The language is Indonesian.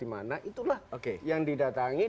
dimana itulah yang didatangi